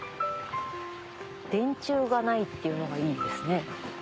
電柱がないっていうのがいいですね。